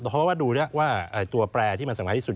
เพราะว่าดูแล้วว่าตัวแปรที่มันสำคัญที่สุด